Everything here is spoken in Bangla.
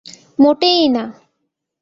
মোটেই না।